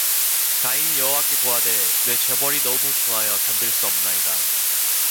가인이 여호와께 고하되 내 죄벌이 너무 중하여 견딜 수 없나이다